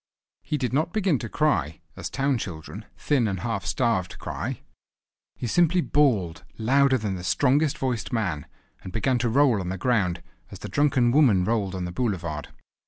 He did not begin to cry, as town children, thin and half starved, cry; he simply bawled louder than the strongest voiced man; and began to roll on the ground, as the drunken women rolled on the boulevard.